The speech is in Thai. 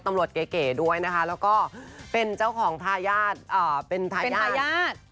ตำรวจเก๋ด้วยนะคะแล้วก็เป็นเจ้าของทราญาตเป็นทราญาต